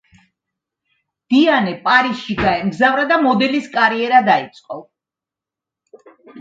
დიანე პარიზში გაემგზავრა და მოდელის კარიერა დაიწყო.